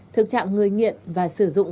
thực trạng người nghiện và sử dụng